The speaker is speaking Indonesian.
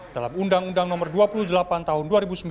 dalam undang undang nomor dua puluh delapan tahun dua ribu sembilan